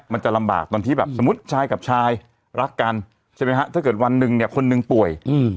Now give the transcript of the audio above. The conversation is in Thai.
มันจะลำบากเดี๋ยวแบบชายกับชายรักกันถ้าเกิดวันนึงคนนึงป่วย